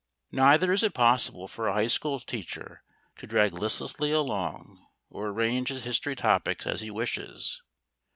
Neither is it possible for a high school teacher to drag listlessly along, or arrange his history topics as he wishes.